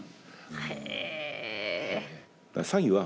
へえ。